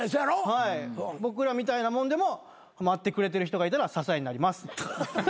はい僕らみたいなもんでも待ってくれてる人がいたら支えになります。